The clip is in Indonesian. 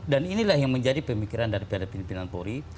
dan inilah yang menjadi pemikiran dari pihak pimpinan polri